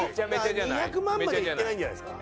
２００万まではいってないんじゃないですか？